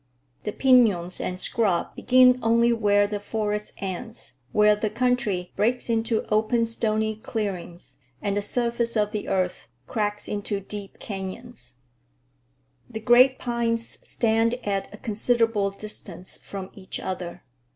The piñons and scrub begin only where the forest ends, where the country breaks into open, stony clearings and the surface of the earth cracks into deep canyons. The great pines stand at a considerable distance from each other.